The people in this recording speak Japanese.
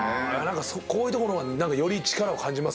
こういうところはより力を感じますね。